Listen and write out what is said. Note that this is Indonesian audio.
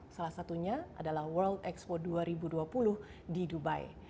salah satunya adalah world expo dua ribu dua puluh di dubai